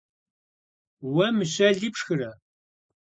- Уэ мыщэли пшхырэ?